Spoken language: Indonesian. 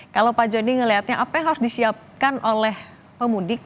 kalau pak joni melihatnya apa yang harus disiapkan oleh pemudik